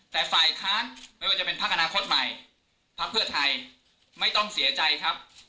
แต่ฝ่ายค้านไม่ว่าจะเป็นพักอนาคตใหม่พักเพื่อไทยไม่ต้องเสียใจครับ